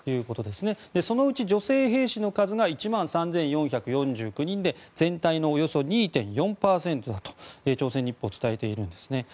そのうち、女性兵士の数が１万３４４９人で全体のおよそ２．４％だと朝鮮日報は伝えているんですね。